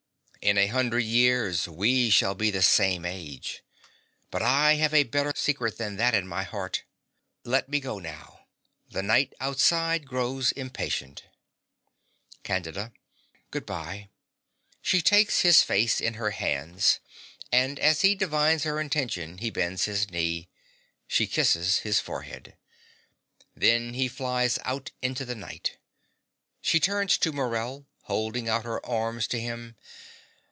In a hundred years, we shall be the same age. But I have a better secret than that in my heart. Let me go now. The night outside grows impatient. CANDIDA. Good bye. (She takes his face in her hands; and as he divines her intention and bends his knee, she kisses his forehead. Then he flies out into the night. She turns to Morell, holding out her arms to him.)